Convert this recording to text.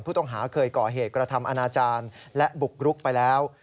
ผู้ต้องหาเคยก่อเหตุกระทำอนาจารย์และบุกรุกไปแล้ว